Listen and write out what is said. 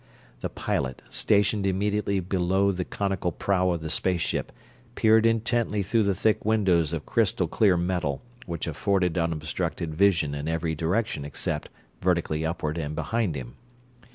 The pilot, stationed immediately below the conical prow of the space ship, peered intently through the thick windows of crystal clear metal which afforded unobstructed vision in every direction except vertically upward and behind him.